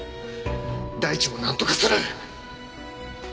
大地もなんとかする。